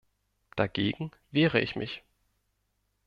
Dagegen wehre ich mich.